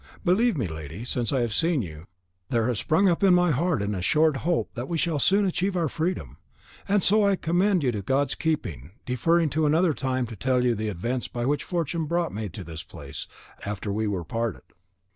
Believe me, lady, since I have seen you, there has sprung up in my heart an assured hope that we shall soon achieve our freedom; and so I commend you to God's keeping, deferring to another time to tell you the events by which fortune brought me to this place, after we were parted."